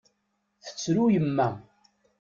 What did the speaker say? Tettru yemma.